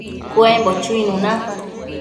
cuembo chuinuna